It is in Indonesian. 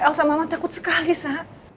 elsa mama takut sekali saya